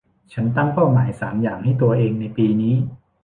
ฉันตั้งเป้าหมายสามอย่างให้ตัวเองในปีนี้